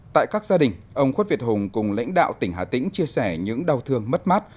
tại các gia đình ông khuất việt hùng cùng lãnh đạo tỉnh hà tĩnh chia sẻ những đau thương mất mát